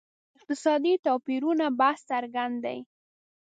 اقتصادي توپیرونو بحث څرګند دی.